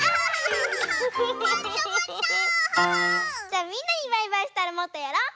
じゃあみんなにバイバイしたらもっとやろう！